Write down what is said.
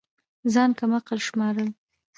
ځان كم عقل شمارل